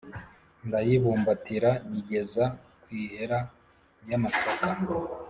Ndayibumbatira nyigeza kw'ihera ry'amasaka.